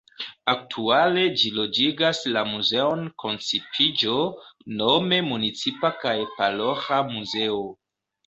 Aktuale ĝi loĝigas la Muzeon Koncipiĝo, nome municipa kaj paroĥa muzeo.